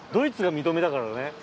イツが認めたからね。